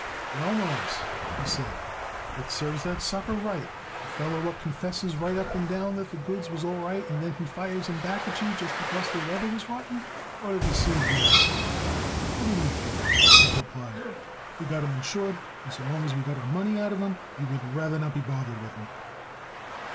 "Well, Mawruss," he said, "it serves that sucker right. A feller what confesses right up and down that the goods was all right and then he fires them back at you just because the weather was rotten ought to be sued yet." "What do we care?" Abe replied. "We got 'em insured, and so long as we get our money out of 'em we would rather not be bothered with him."